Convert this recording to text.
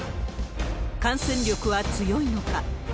感染力は強いのか。